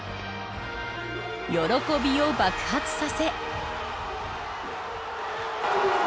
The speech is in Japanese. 喜びを爆発させ。